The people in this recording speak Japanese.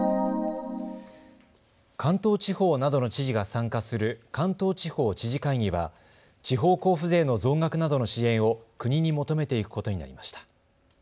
関東地方などの知事が参加する関東地方知事会議は地方交付税の増額などの支援を国に求めていくことになりました。